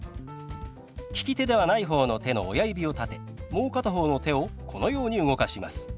利き手ではない方の手の親指を立てもう片方の手をこのように動かします。